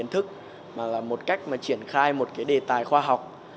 hình thức mà là một cách mà triển khai một cái đề tài khoa học